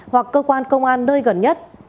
hoặc cơ quan công an nơi gần nhất